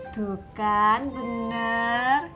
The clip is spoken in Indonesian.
tuh kan bener